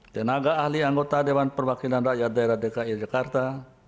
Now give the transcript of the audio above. tenaga ahli anggota dewan perwakilan rakyat daerah dki jakarta